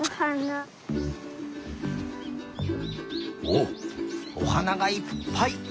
おっおはながいっぱい！